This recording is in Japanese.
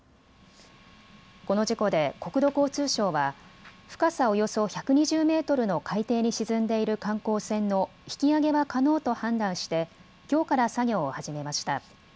この事故で国土交通省は深さおよそ１２０メートルの海底に沈んでいる観光船の引き揚げは可能と判断してきょうから作業を始めました。